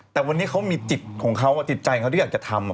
แต่วันนี้เขามีจิตของเขาจิตใจเขาที่อยากจะทำ